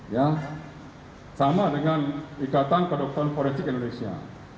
ya sama dengan ikatan kedokteran forensik indonesia